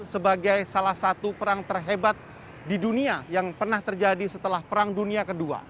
sebagai salah satu perang terhebat di dunia yang pernah terjadi setelah perang dunia ii